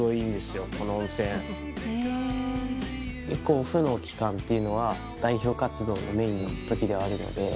オフの期間っていうのは代表活動がメインの時ではあるので。